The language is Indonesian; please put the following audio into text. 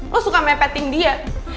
lo suka mepetin dia